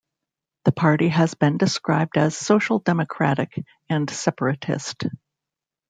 The party has been described as social-democratic and separatist.